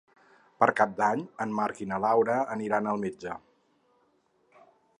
Per Cap d'Any en Marc i na Laura aniran al metge.